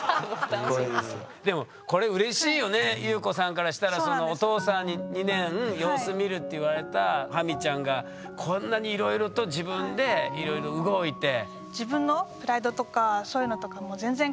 でもこれうれしいよね裕子さんからしたらそのお父さんに２年様子見るって言われたハミちゃんがこんなにいろいろと自分でいろいろ動いて。